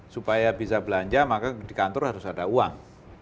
supaya bisa belanja maka di kantor harus ada uang